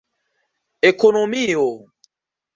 ekonomio